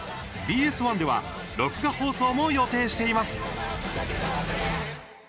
ＢＳ１では録画放送も予定しています。